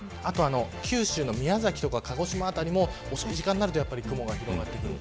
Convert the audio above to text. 九州の宮崎とか鹿児島辺りも遅い時間になると雲が広がってくる。